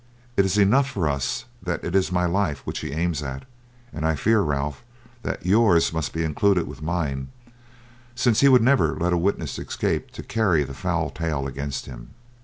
It is enough for us that it is my life which he aims at, and I fear, Ralph, that yours must be included with mine, since he would never let a witness escape to carry the foul tale against him.